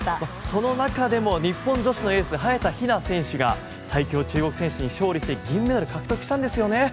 その中でも日本女子のエース早田ひな選手が最強中国選手に勝利して銀メダル獲得したんですよね。